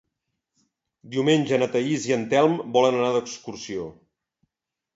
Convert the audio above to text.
Diumenge na Thaís i en Telm volen anar d'excursió.